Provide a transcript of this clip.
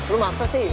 lo maksa sih